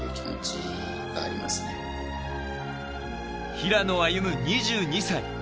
平野歩夢、２２歳。